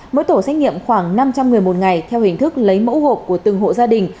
mỗi tổ xét nghiệm khoảng năm trăm linh người một ngày theo hình thức lấy mẫu hộp của từng hộ gia đình